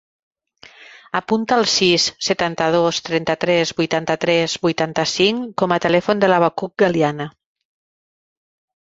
Apunta el sis, setanta-dos, trenta-tres, vuitanta-tres, vuitanta-cinc com a telèfon de l'Habacuc Galiana.